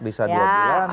bisa dua bulan